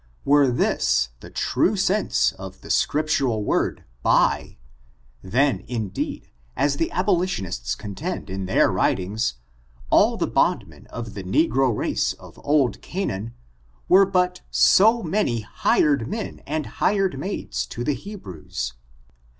Were this the true sense of the Scriptural word &uy, then, indeed, as the abolitionists contend in their writings, all the bondmen of the negro race of old Canaan were but so many hired men and hired maids to the Hebrews.